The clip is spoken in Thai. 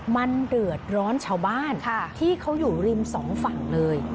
มันเดือดร้อนชาวบ้านที่เขาอยู่ริมสองฝั่งเลย